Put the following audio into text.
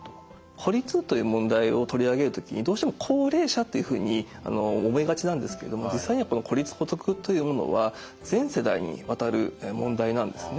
孤立という問題を取り上げる時にどうしても高齢者っていうふうに思いがちなんですけども実際にはこの孤立・孤独というものは全世代にわたる問題なんですね。